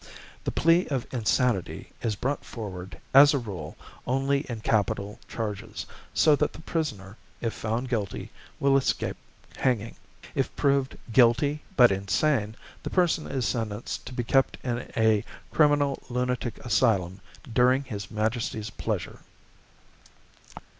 The plea of insanity is brought forward, as a rule, only in capital charges, so that the prisoner, if found guilty, will escape hanging. If proved 'guilty, but insane,' the person is sentenced to be kept in a criminal lunatic asylum 'during His Majesty's pleasure.'